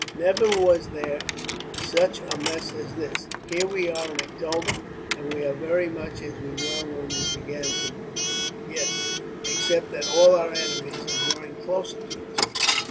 Never was there such a mess as this. Here we are in October, and we are very much as we were when we began in March." "Yes, except that all our enemies are drawing closer to us."